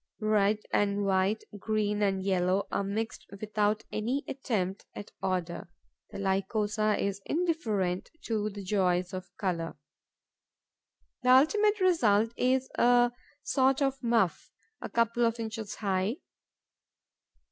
Red and white, green and yellow are mixed without any attempt at order. The Lycosa is indifferent to the joys of colour. The ultimate result is a sort of muff, a couple of inches high.